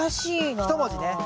１文字ね。